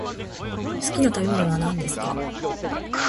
好きな食べ物は何ですか。